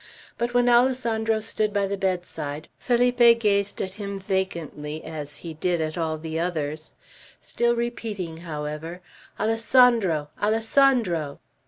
But when Alessandro stood by the bedside, Felipe gazed at him vacantly, as he did at all the others, still repeating, however, "Alessandro! Alessandro!"